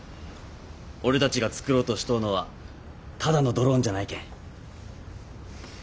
俺たちが作ろうとしとうのはただのドローンじゃないけん。